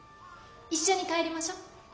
一緒に帰りましょ。